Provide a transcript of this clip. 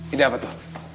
ide apa tuh